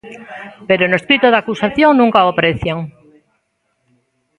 Pero no escrito de acusación nunca o aprecian.